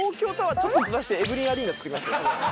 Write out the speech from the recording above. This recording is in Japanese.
ちょっとズラしてエブリンアリーナ造りますよ。